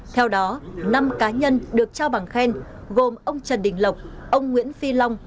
theo đó năm cá nhân được trao bằng khen gồm ông trần đình lộc ông nguyễn phi long